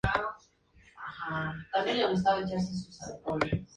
Es además retratado como cruel y astuto.